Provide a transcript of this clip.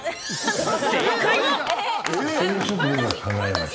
正解は。